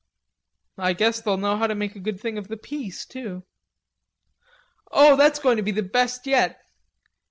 "I guess they'll know how to make a good thing of the Peace too." "Oh, that's going to be the best yet....